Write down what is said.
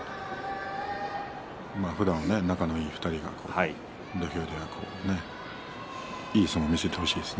ふだんは仲のいい２人が土俵ではいい相撲を見せてほしいですね。